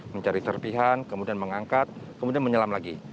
mencari serpihan kemudian mengangkat kemudian menyelam lagi